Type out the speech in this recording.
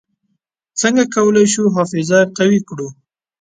څنګه کولای شو حافظه قوي کړو؟